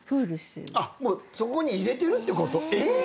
そこに入れてるってこと⁉え！